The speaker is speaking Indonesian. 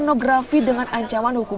pertama rsk dan ms pasangan mesum